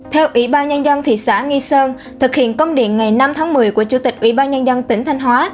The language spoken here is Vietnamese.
theo ủy ban nhân dân thị xã nghi sơn thực hiện công điện ngày năm tháng một mươi của chủ tịch ủy ban nhân dân tỉnh thanh hóa